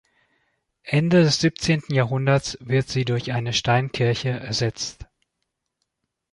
Ende des siebzehnten Jahrhunderts wird sie durch eine Steinkirche ersetzt.